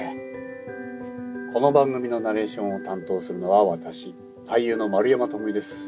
この番組のナレーションを担当するのは私俳優の丸山智己です。